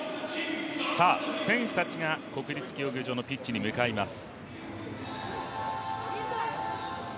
選手たちが国立競技場のピッチに向かいます。